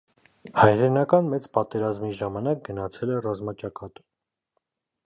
Հայրենական մեծ պատերազմի ժամանակ գնացել է ռազմաճակատ։